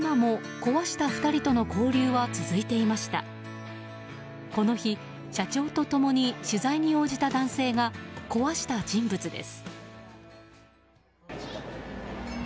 この日、社長と共に取材に応じた男性が壊した人物です。